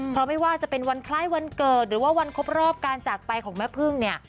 เพราะไม่ว่าจะเป็นวันคล้ายวันเกิดหรือว่าวันครบรอบการจากไปของแม่พึ่งเนี่ย